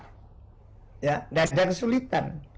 tidak ada kesulitan